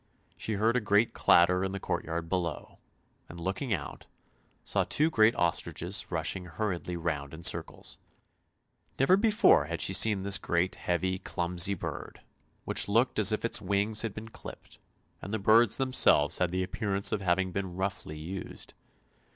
She heard a great clatter in the courtyard below, and, looking out, saw two great ostriches rushing hurriedly round in circles; never before had she seen this great, heavy, clumsy bird, which looked as if its wings had been clipped, and the birds themselves had the appearance of having been roughly used.